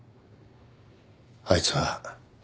あいつは。